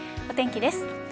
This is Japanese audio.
お天気です。